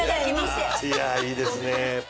いやいいですね。